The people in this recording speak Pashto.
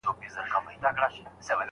ولي خاوند زيات ميراث وړي؟